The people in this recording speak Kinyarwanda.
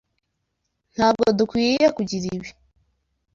Ntabwo dukwiye kugira ibi.